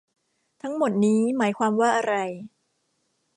ทั้งหมดนี้หมายความว่าอะไร